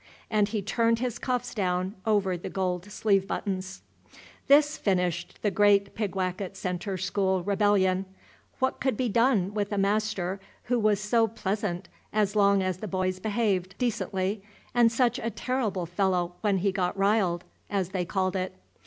And he turned his cuffs down over the gold sleeve buttons. This finished the great Pigwacket Centre School rebellion. What could be done with a master who was so pleasant as long as the boys behaved decently, and such a terrible fellow when he got "riled," as they called it?